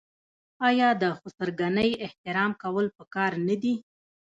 آیا د خسرګنۍ احترام کول پکار نه دي؟